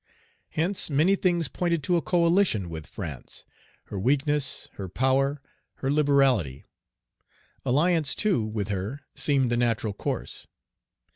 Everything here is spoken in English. Hence, many things pointed to a coalition with France, her weakness, her power, her liberality. Alliance, too, with her seemed the natural course.